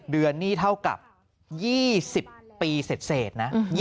๒๕๐เดือนนี่เท่ากับ๒๐ปีเศษนะ